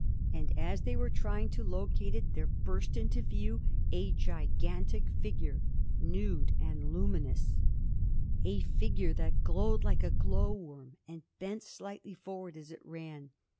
And as they were trying to locate it there burst into view a gigantic figure nude and luminous, a figure that glowed like a glow worm and bent slightly forward as it ran.